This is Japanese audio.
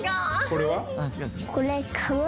これは？